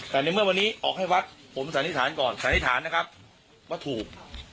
แต่ในเมื่อวันนี้ออกให้วัดผมสันนิษฐานก่อนสันนิษฐานนะครับว่าถูก